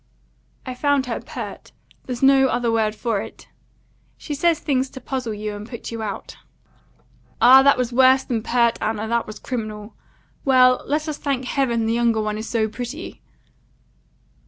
"I found her pert. There's no other word for it. She says things to puzzle you and put you out." "Ah, that was worse than pert, Anna; that was criminal. Well, let us thank heaven the younger one is so pretty."